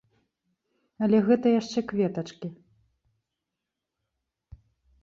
Але гэта яшчэ кветачкі.